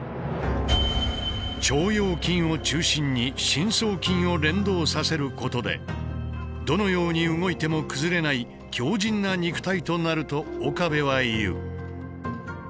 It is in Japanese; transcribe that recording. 「腸腰筋」を中心に深層筋を連動させることでどのように動いても崩れない強靱な肉体となると岡部は言う。